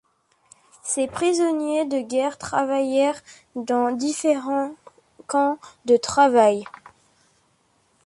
Ces prisonniers de guerre travaillèrent dans différents camps de travail.